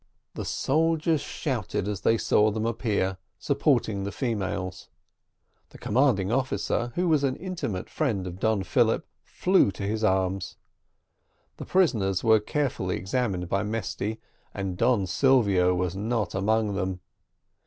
The soldiers shouted as they saw them appear, supporting the females. The commanding officer, who was an intimate friend of Don Philip, flew to his arms. The prisoners were carefully examined by Mesty, and Don Silvio was not among them.